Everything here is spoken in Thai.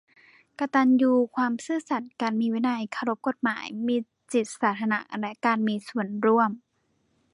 กตัญญู ความซื่อสัตย์ การมีวินัย เคารพกฎหมาย มีจิตสาธารณะและการมีส่วนร่วม